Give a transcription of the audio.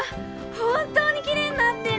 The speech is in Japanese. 本当にきれいになってる！